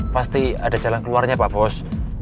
pasti ada jalan keluarnya pak bos